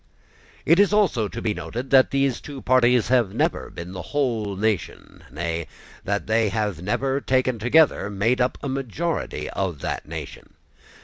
It is also to be noted that these two parties have never been the whole nation, nay, that they have never, taken together, made up a majority of the nation.